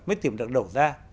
mới tìm được đầu ra